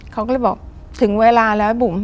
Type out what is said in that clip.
เขาก็เลยบอกถึงเวลาแล้วบุ๋ม